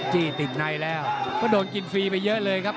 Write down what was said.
จี้ติดในแล้วก็โดนกินฟรีไปเยอะเลยครับ